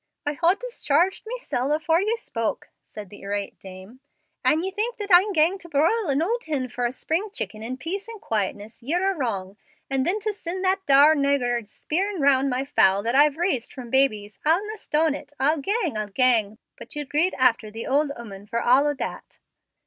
"I hod discharged mesel' afore ye spoke," said the irate dame. "An' ye think I'm gang to broil an ould hen for a spring chicken in peace and quietness, ye're a' wrong. An' then to send that dour nagur a speerin' roun' among my fowl that I've raised from babies I'll na ston it. I'll gang, I'll gang, but ye'll greet after the ould 'ooman for a' o' that."